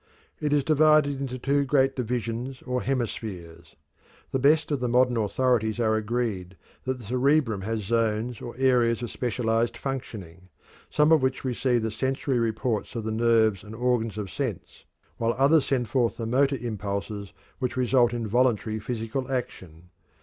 It is divided into two great divisions or hemispheres. The best of the modern authorities are agreed that the cerebrum has zones or areas of specialized functioning, some of which receive the sensory reports of the nerves and organs of sense, while others send forth the motor impulses which result in voluntary physical action.